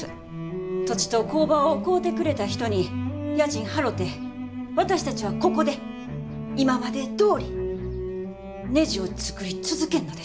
土地と工場を買うてくれた人に家賃払て私たちはここで今までどおりねじを作り続けんのです。